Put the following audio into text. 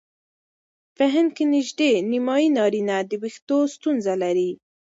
په هند کې نژدې نیمایي نارینه د وېښتو ستونزه لري.